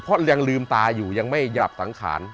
เพราะยังลืมตาอยู่ยังไม่หลับสังขาร